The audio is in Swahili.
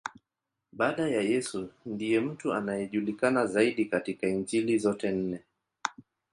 Baada ya Yesu, ndiye mtu anayejulikana zaidi katika Injili zote nne.